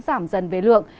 giảm dần về lượng